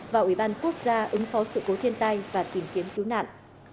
và ủy ban quốc gia ứng phó sự cố thiên tai và tìm kiếm cứu nạn